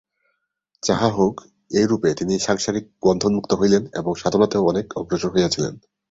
যাহা হউক, এইরূপে তিনি সাংসারিক বন্ধনমুক্ত হইলেন এবং সাধনাতেও অনেক অগ্রসর হইয়াছিলেন।